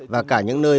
và cả những nơi